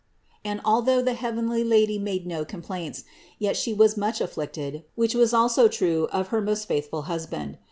And although the heavenly Lady made no complaints, yet She was much afflicted, which was also true of her most faithful husband.